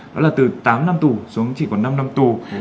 đó là từ tám năm tù xuống chỉ còn năm năm tù